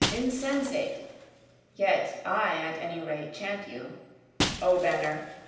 insensate! (yet I at any rate chant you,) O banner!